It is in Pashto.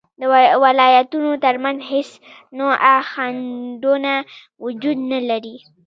د ولایتونو تر منځ هیڅ نوعه خنډونه وجود نلري